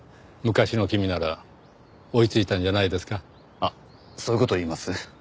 あっそういう事言います？